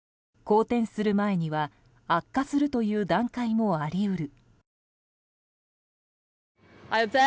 好転する前には悪化するという段階もあり得る。